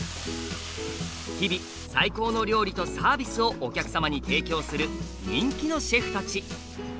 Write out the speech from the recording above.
日々最高の料理とサービスをお客様に提供する人気のシェフたち。